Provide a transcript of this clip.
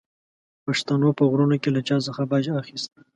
پښتنو په غرونو کې له چا څخه باج اخیست.